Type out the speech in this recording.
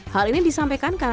hal ini disampaikan karena